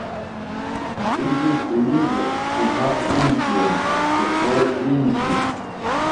It is believed to have influenced the Ford engine.